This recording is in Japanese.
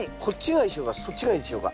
こっちがいいでしょうか？